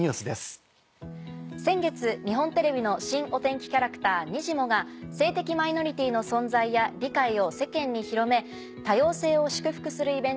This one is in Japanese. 先月日本テレビの新お天気キャラクターにじモが性的マイノリティーの存在や理解を世間に広め。